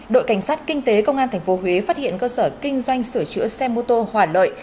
đội cảnh sát kinh tế công an tp huế phát hiện cơ sở kinh doanh sửa chữa xe mô tô hòa lợi